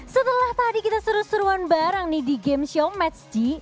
setelah tadi kita seru seruan bareng nih di game show match g